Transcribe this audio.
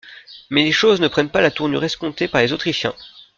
Mais les choses ne prennent pas la tournure escomptée par les Autrichiens.